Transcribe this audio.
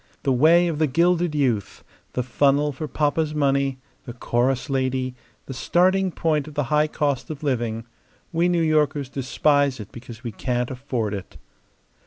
The way of the gilded youth; the funnel for papa's money; the chorus lady; the starting point of the high cost of living. We New Yorkers despise it because we can't afford it."